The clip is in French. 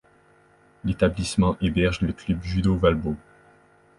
L'établissement héberge le club Judo Valbo.